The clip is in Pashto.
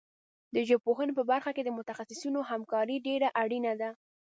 د ژبپوهنې په برخه کې د متخصصینو همکاري ډېره اړینه ده.